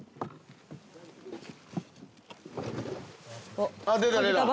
あっ出た出た。